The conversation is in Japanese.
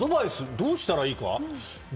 どうしたらいいか？